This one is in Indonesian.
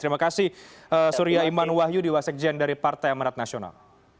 terima kasih surya iman wahyu di wasekjen dari partai amarat nasional